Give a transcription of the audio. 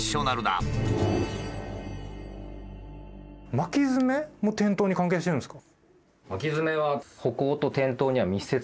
巻きヅメも転倒に関係してるんですか？